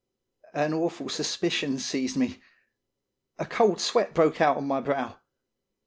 An awful suspicion seized me ; a cold sweat broke out on my brow.